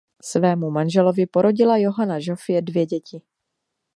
Svému manželovi porodila Johana Žofie dvě děti.